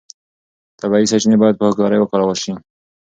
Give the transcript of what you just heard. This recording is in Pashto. طبیعي سرچینې باید په هوښیارۍ وکارول شي.